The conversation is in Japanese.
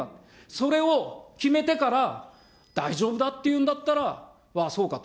それを決めてから、大丈夫だっていうんだったら、ああ、そうかと。